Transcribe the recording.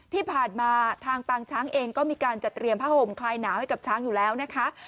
ที่ผ่านมาทางปางช้างเองก็มีการจัดเตรียมผ้าห่มคลายหนาวให้กับช้างอยู่แล้วนะคะ